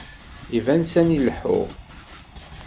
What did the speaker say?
Iban sani leḥḥuɣ.